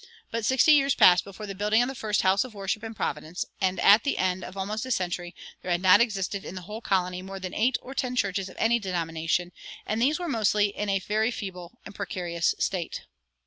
But sixty years passed before the building of the first house of worship in Providence, and at the end of almost a century "there had not existed in the whole colony more than eight or ten churches of any denomination, and these were mostly in a very feeble and precarious state."